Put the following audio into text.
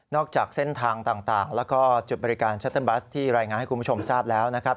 จากเส้นทางต่างแล้วก็จุดบริการชัตเติลบัสที่รายงานให้คุณผู้ชมทราบแล้วนะครับ